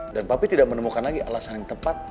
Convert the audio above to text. dan papi tidak menemukan lagi alasan yang tepat